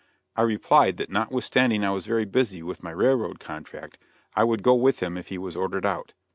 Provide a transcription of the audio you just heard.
I replied that notwithstanding I was very busy with my railroad contract I would go with him if he was ordered out.